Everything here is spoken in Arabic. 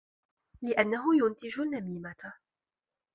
لِأَنَّهُ يُنْتِجُ النَّمِيمَةَ